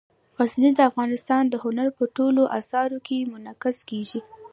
غزني د افغانستان د هنر په ټولو اثارو کې منعکس کېږي.